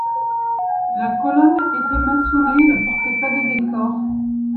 La colonne était maçonnée et ne portait pas de décor.